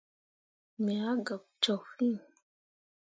Me ah gah pu cok fîi.